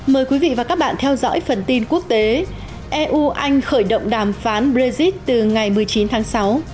mời quý vị và các bạn theo dõi phần tin quốc tế eu anh khởi động đàm phán brexit từ ngày một mươi chín tháng sáu